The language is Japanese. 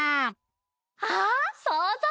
あっそうぞう！